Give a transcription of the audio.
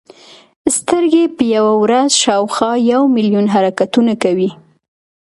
سترګې په یوه ورځ شاوخوا یو ملیون حرکتونه کوي.